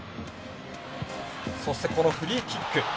そして、このフリーキック。